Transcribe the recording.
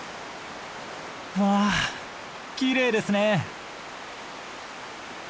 わあきれいですね。